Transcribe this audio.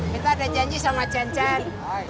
betta udah janji sama janjan